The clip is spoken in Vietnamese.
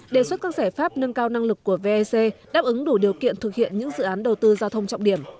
đề xuất các giải pháp nâng cao năng lực của vec đáp ứng đủ điều kiện thực hiện những dự án đầu tư giao thông trọng điểm